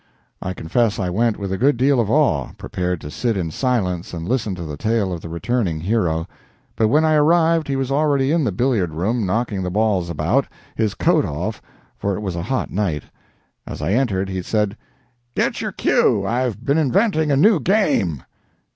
I confess I went with a good deal of awe, prepared to sit in silence and listen to the tale of the returning hero. But when I arrived he was already in the billiard room, knocking the balls about his coat off, for it was a hot night. As I entered, he said: "Get your cue I've been inventing a new game."